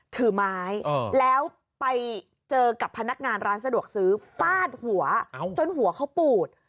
ถือไม้แล้วไปเจอกับพนักงานร้านสะดวกซื้อฟาดหัวจนหัวเขาปูด